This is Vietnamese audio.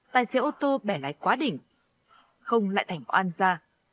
tài xế ô tô bẻ lái quá đỉnh không lại thành oan ra